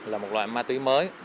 là một loại ma túy mới